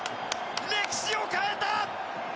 歴史を変えた！